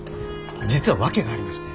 実は訳がありまして。